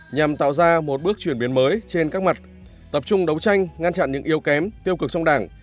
nhằm tạo ra một bước chuyển biến mới trên các mặt tập trung đấu tranh ngăn chặn những yêu kém tiêu cực trong đảng